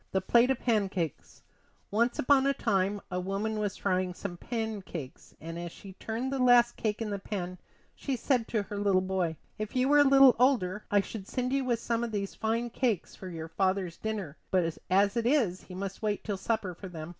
THE PLATE OF PANCAKES Once upon a time a woman was frying some pancakes, and as she turned the last cake in the pan she said to her little boy: "If you were a little older I should send you with some of these fine cakes for your father's dinner, but as it is, he must wait till supper for them."